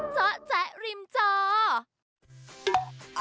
เจ้าแจริมเจ้า